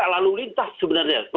lalu lintas sebenarnya